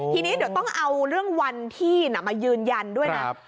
ทีนี้เดี๋ยวต้องเอาเรื่องวันที่มายืนยันด้วยนะ